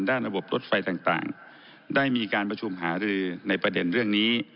ระบบรถไฟต่างได้มีการประชุมหารือในประเด็นเรื่องนี้